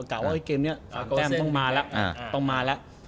กล่าวว่าเกมนี้ต้องมาละ